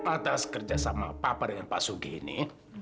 atas kerjasama papa dengan pak sugi ini